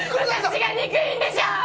私が憎いんでしょ！！